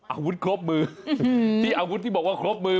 อาวุธครบมือที่อาวุธที่บอกว่าครบมือ